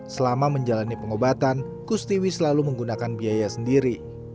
selama menjalani pengobatan kustiwi selalu menggunakan biaya sendiri